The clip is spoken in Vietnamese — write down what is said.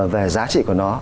về giá trị của nó